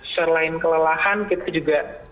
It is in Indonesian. selain kelelahan kita juga